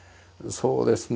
そうですね